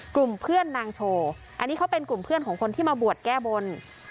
กลุ่มเพื่อนนางโชว์อันนี้เขาเป็นกลุ่มเพื่อนของคนที่มาบวชแก้บน